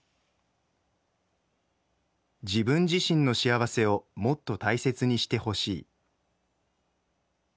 「自分自身の幸せをもっと大切にしてほしい。